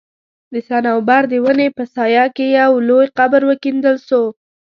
د صنوبر د وني په سايه کي يو لوى قبر وکيندل سو